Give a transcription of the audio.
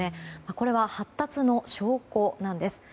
これは発達の証拠なんです。